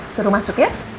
suruh masuk ya